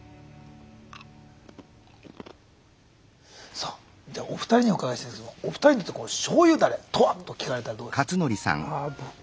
さあお二人にお伺いしたいんですがお二人にとって醤油ダレとはと聞かれたらどうですか？